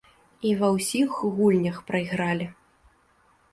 І ва ўсіх гульнях прайгралі.